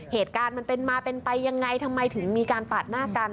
เหตุการณ์มันเป็นมาเป็นไปยังไงทำไมถึงมีการปาดหน้ากัน